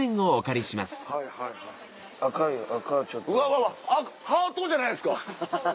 うわわあっハートじゃないですか。